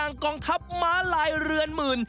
อย่างกองทัพมาลายเรือนหมื่น